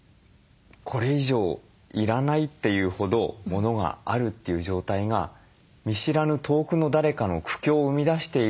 これ以上要らないというほどものがあるという状態が見知らぬ遠くの誰かの苦境を生み出している。